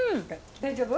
大丈夫？